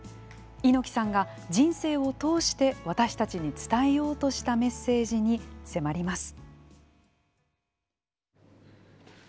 猪木さんが人生を通して私たちに伝えようとしたメッセージに迫ります。